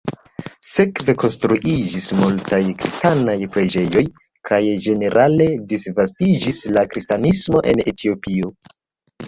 Sekve konstruiĝis multaj kristanaj preĝejoj kaj ĝenerale disvastiĝis la kristanismo en Etiopio.